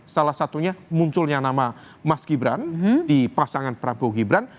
salah satunya munculnya nama mas gibran di pasangan prabowo gibran